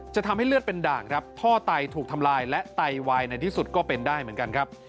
ทำให้เลือดเป็นด่างครับท่อไตถูกทำลายและไตวายในที่สุดก็เป็นได้เหมือนกันครับ